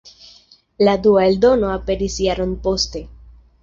La dua eldono aperis jaron poste.